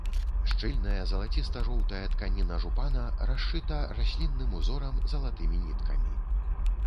Шчыльная, залаціста-жоўтая тканіна жупана расшыта раслінным узорам залатымі ніткамі.